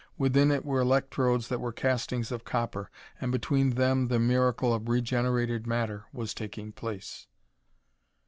Within it were electrodes that were castings of copper, and between them the miracle of regenerated matter was taking place.